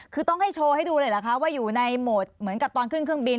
คือต้องให้โชว์ให้ดูเลยเหรอคะว่าอยู่ในโหมดเหมือนกับตอนขึ้นเครื่องบิน